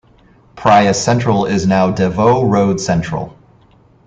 Praya central is now Des Voeux Road Central.